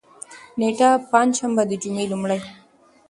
نېټه: پنجشنبه، د جنوري لومړۍ